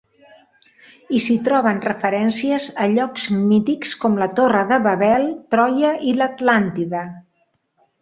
I s'hi troben referències a llocs mítics com la Torre de Babel, Troia i l'Atlàntida.